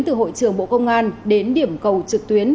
từ hội trường bộ công an đến điểm cầu trực tuyến